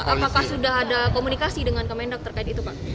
apakah sudah ada komunikasi dengan kemendak terkait itu pak